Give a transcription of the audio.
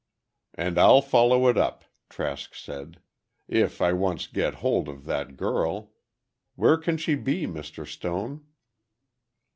"And I'll follow it up," Trask said, "if I once get hold of that girl. Where can she be, Mr. Stone?"